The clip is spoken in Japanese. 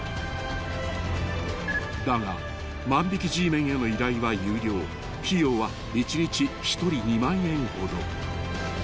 ［だが万引Ｇメンへの依頼は有料］［費用は１日１人２万円ほど］